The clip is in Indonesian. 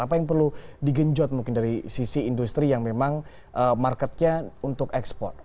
apa yang perlu digenjot mungkin dari sisi industri yang memang marketnya untuk ekspor